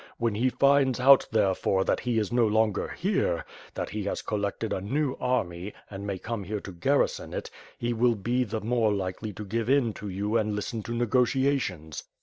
When he finds out, therefore, that he is no longer here; that he has collected a new army and may come here to garrison it; he will be the more likely to give in to you and listen to negotiations.